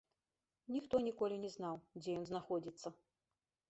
Ніхто ніколі не знаў, дзе ён знаходзіцца.